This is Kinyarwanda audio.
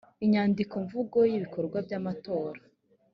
inyandikomvugo y ibikorwa by amatora